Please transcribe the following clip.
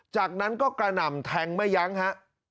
จากนั้นก็กระหน่ำแทงไม่ยั้งฮะ